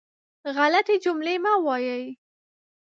غلطې جملې مه وایئ.